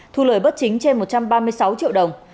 thu lời bất chính trên một trăm ba mươi sáu triệu đồng